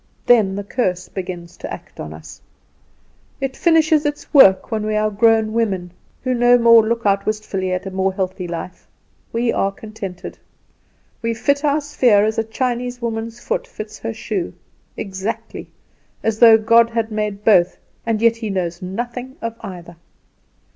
Then the curse begins to act on us. It finishes its work when we are grown women, who no more look out wistfully at a more healthy life; we are contented. We fit our sphere as a Chinese woman's foot fits her shoe, exactly, as though God had made both and yet he knows nothing of either.